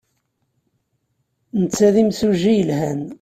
Netta d imsujji yelhan.